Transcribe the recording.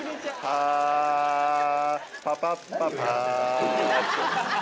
パパパッパパ